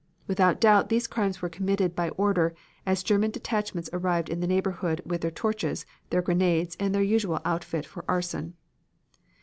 Without doubt, these crimes were committed by order, as German detachments arrived in the neighborhood with their torches, their grenades, and their usual outfit for arson.